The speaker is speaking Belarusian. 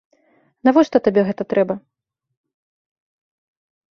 Навошта табе гэта трэба?